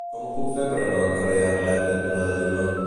Com ho puc fer per anar al carrer Arlet cantonada Lluna?